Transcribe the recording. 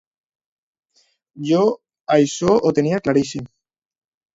Jo això ho tenia claríssim.